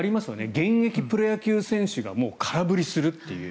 現役プロ野球選手が空振りするという。